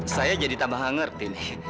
saya jadi tambah nggak ngerti nih